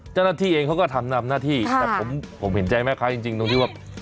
เจ้าหน้าที่เองเขาก็ทำนำหน้าที่แต่ผมเห็นใจแม่ค้าจริงตรงที่ว่า